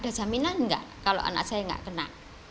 ada jaminan nggak kalau anak saya nggak kena